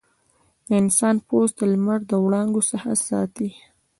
د انسان پوست د لمر د وړانګو څخه ساتي.